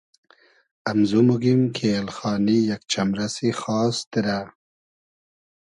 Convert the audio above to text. امزو موگیم کی ایلخانی یئگ چئمرئسی خاس دیرۂ